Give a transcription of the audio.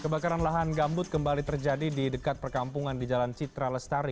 kebakaran lahan gambut kembali terjadi di dekat perkampungan di jalan citra lestari